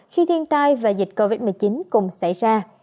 khi thiên tai và dịch covid một mươi chín cùng xảy ra